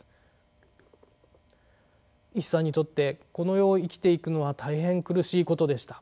一茶にとってこの世を生きていくのは大変苦しいことでした。